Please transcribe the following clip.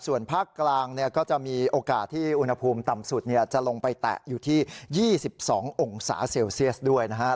ส่วนภาคกลางก็จะมีโอกาสที่อุณหภูมิต่ำสุดจะลงไปแตะอยู่ที่๒๒องศาเซลเซียสด้วยนะครับ